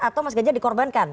atau mas ganjar dikorbankan